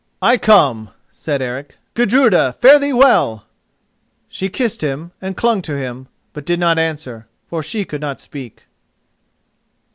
"I come," said Eric. "Gudruda, fare thee well!" She kissed him and clung to him, but did not answer, for she could not speak.